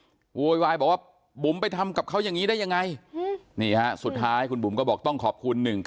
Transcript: ก็โวยวายบอกว่าบุ๋มไปทำกับเขาอย่างนี้ได้ยังไงนี่ฮะสุดท้ายคุณบุ๋มก็บอกต้องขอบคุณ๑๙